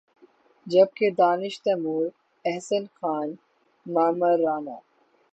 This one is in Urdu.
جب کہ دانش تیمور، احسن خان، معمر رانا